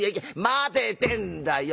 待てってんだよ